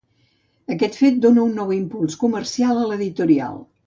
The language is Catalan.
Aquest fet dóna un nou impuls comercial a l'editorial.